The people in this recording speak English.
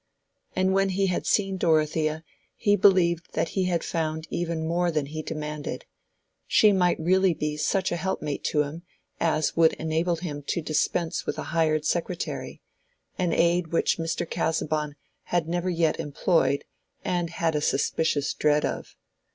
And when he had seen Dorothea he believed that he had found even more than he demanded: she might really be such a helpmate to him as would enable him to dispense with a hired secretary, an aid which Mr. Casaubon had never yet employed and had a suspicious dread of.